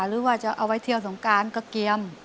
หรือว่าจะเอาไว้เที่ยวสงการก็เกียม